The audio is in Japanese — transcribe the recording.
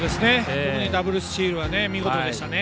特にダブルスチールは見事でしたね。